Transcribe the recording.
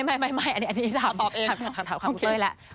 ไม่อันนี้ถามคุณเป้ยแล้ว